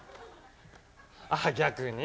ああ逆に？